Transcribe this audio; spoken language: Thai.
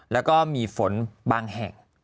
แล้วก็มีฝนบางแห่ง